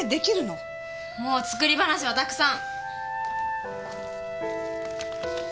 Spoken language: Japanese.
もう作り話はたくさん！